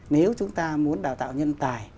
nếu chúng ta muốn đào tạo nhân tài